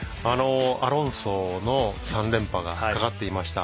アロンソの３連覇がかかっていました。